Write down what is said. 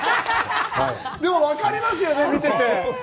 でも、分かりますよね、見てて。